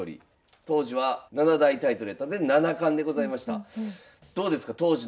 当時は７大タイトルやったんで七冠でございました。